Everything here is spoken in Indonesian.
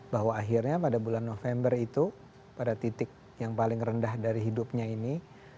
bahwa akhirnya pada bulan november itu pada titik yang paling rendah dari hidupnya ini